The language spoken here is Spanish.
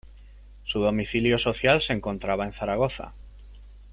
Su domicilio social se encontraba en Zaragoza.